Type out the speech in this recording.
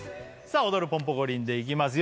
「おどるポンポコリン」でいきますよ